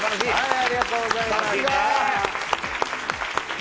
ありがとうございます。